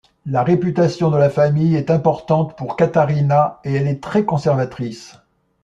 La réputation de la famille est importante pour Catarina et elle est très conservatrice.